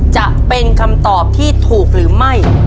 จะเป็นคำตอบที่ถูกหรือไม่